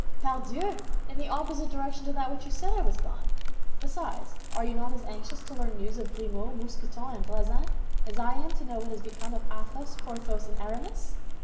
"Pardieu! In the opposite direction to that which you said I was gone. Besides, are you not as anxious to learn news of Grimaud, Mousqueton, and Bazin as I am to know what has become of Athos, Porthos, and Aramis?"